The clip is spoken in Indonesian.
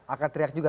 akan teriak juga